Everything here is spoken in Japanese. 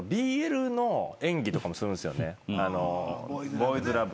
ボーイズラブの。